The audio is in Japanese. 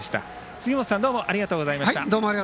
杉本さんどうもありがとうございました。